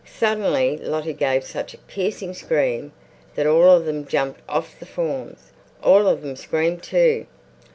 Suddenly Lottie gave such a piercing scream that all of them jumped off the forms, all of them screamed too.